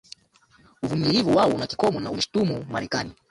uvumilivu wao una kikomo na imeshutumu marekani